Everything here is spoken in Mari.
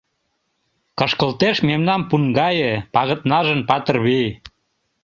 Кышкылтеш мемнам пун гае Пагытнажын патыр вий.